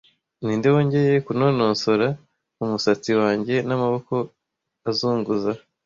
Ninde wongeye kunonosora umusatsi wanjye n'amaboko azunguza?